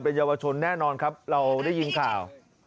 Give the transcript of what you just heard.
เยาวชนแน่นอนครับเราได้ยินข่าว